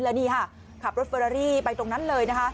แล้วนี่ค่ะขับรถเฟอรารี่ไปตรงนั้นเลยนะคะ